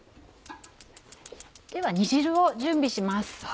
では煮汁を準備します。